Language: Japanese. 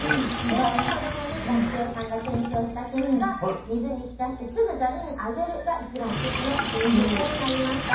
１０人ほどの学生さんが検証した結果「水に浸してすぐざるにあげる」が一番オススメという結果になりました。